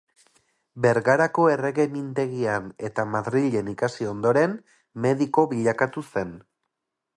Bergarako Errege Mintegian eta Madrilen ikasi ondoren, mediko bilakatu zen.